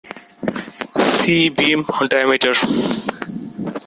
See beam diameter.